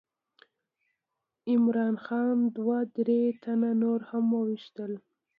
عمرا خان دوه درې تنه نور هم وویشتل.